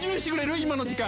今の時間。